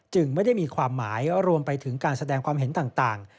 ไม่ได้มีความหมายรวมไปถึงการแสดงความเห็นต่าง